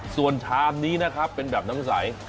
ส่วนชามนี้นะครับเป็นแบบน้ำใส